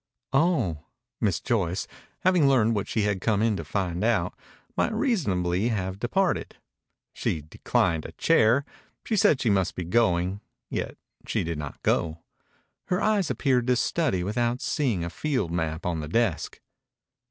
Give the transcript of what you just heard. "Oh!" Miss Joyce, having learned what she had come in to find out, might reasonably have departed. She declined a chair, said she must be going, yet did not go. Her eyes appeared to study without seeing a field map on the desk.